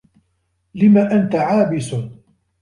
لم أنت عابس؟